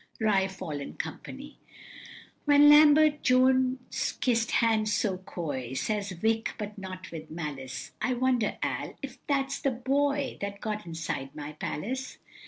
Ri fol, &c. When Lambert Jones kiss'd hands, so coy, Says Vic., but not with malice, "I wonder, Al., if that's the boy That got inside my palace?"